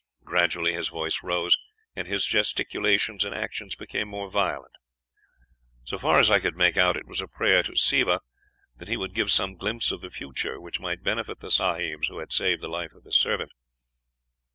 Gradually his voice rose, and his gesticulations and actions became more violent. So far as I could make out, it was a prayer to Siva that he would give some glimpse of the future which might benefit the sahibs who had saved the life of his servant.